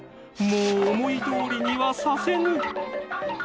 もう思いどおりにはさせぬ！